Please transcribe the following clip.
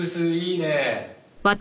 いいねぇ。